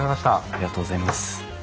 ありがとうございます。